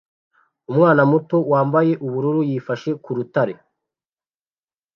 Umwana muto wambaye ubururu yifashe ku rutare